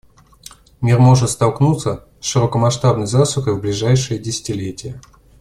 Мир может столкнуться с широкомасштабной засухой в ближайшие десятилетия.